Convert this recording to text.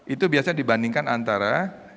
itu biasa dibandingkan antara